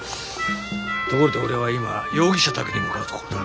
ところで俺は今容疑者宅に向かうところだ。